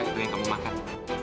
itu yang kamu makan